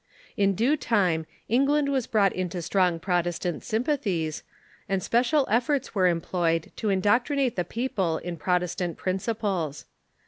In due time England was brought into strong Protestant sympathies, and special efforts Avere employed to indoctrinate the people in Protestant principles.